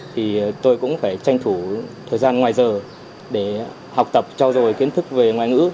thì tôi cũng phải tranh thủ thời gian ngoài giờ để học tập cho rồi kiến thức về ngoài ngữ